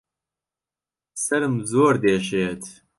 سەرم زۆر دێشێت